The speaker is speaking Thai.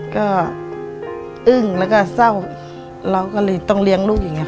ก็อึ้งแล้วก็เศร้าเราก็เลยต้องเลี้ยงลูกอย่างนี้